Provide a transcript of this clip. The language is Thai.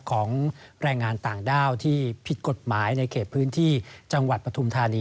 ของแรงงานต่างด้าวที่ผิดกฎหมายในเขตพื้นที่จังหวัดปฐุมธานี